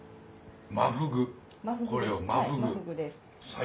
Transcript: マフグこれをマフグ。